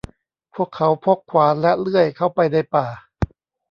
พวกเขาพกขวานและเลื่อยเข้าไปในป่า